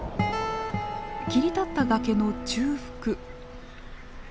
切り立った崖の中腹。